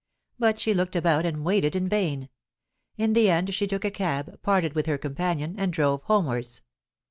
But she looked about and waited in vain. In the end she took a cab, parted with her companion, and drove homewards.